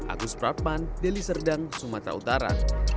agus prapan deliserdang sumatera utara